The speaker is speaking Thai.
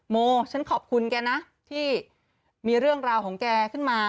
โมฉันขอบคุณแกนะที่มีเรื่องราวของแกขึ้นมา